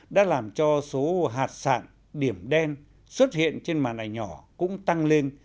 đã làm cho số hạt sạng điểm đen xuất hiện trên màn ảnh nhỏ cũng tăng lên